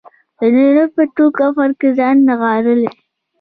نجلۍ په تور کفن کې ځان نغاړلی